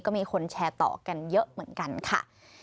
ก็มีคนแชร์ต่อกันเยอะเหมือนกันค่ะ